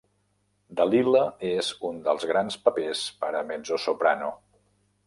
Dalila és un dels grans papers per a mezzosoprano.